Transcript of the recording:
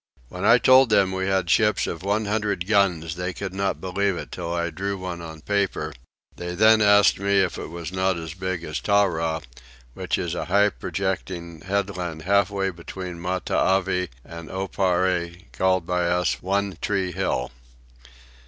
When I told them we had ships of 100 guns they could not believe it till I drew one on paper: they then asked me if it was not as big as Tarrah, which is a high projecting headland halfway between Matavai and Oparre, called by us One tree Hill.